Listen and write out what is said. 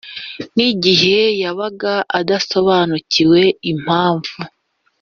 n igihe yabaga adasobanukiwe impamvu